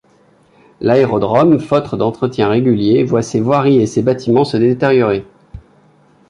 L’Aérodrome faute d’entretiens réguliers voit ses voiries et ses bâtiments se détériorer.